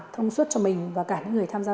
thông suốt cho mình và cả những người tham gia